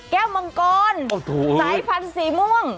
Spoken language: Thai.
มังกรสายพันธุ์สีม่วง